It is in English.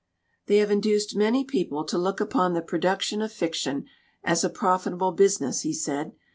"They have induced many people to look upon the production of fiction as a profitable business," he said.